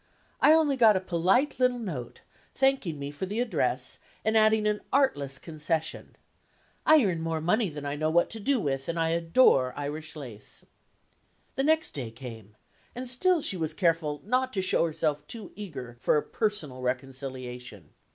I only got a polite little note, thanking me for the address, and adding an artless concession: "I earn more money than I know what to do with; and I adore Irish lace." The next day came, and still she was careful not to show herself too eager for a personal reconciliation.